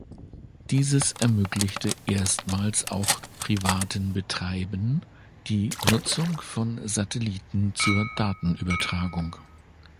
Dieses ermöglichte erstmals auch privaten Betreiben die Nutzung von Satelliten zur Datenübertragung.